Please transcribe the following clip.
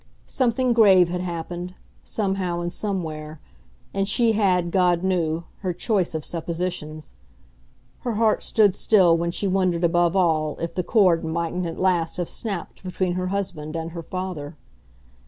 Something grave had happened, somehow and somewhere, and she had, God knew, her choice of suppositions: her heart stood still when she wondered above all if the cord mightn't at last have snapped between her husband and her father.